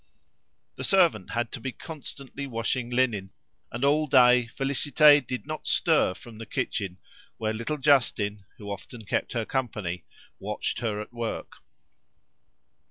The servant had to be constantly washing linen, and all day Félicité did not stir from the kitchen, where little Justin, who often kept her company, watched her at work.